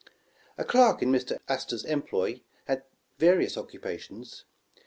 A clerk in Mr. Astor 's employ had various occupa tions.